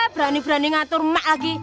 berani berani ngatur mak lagi